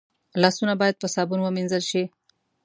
لاسونه باید په صابون ومینځل شي